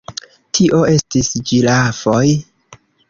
Tio estis ĝirafoj.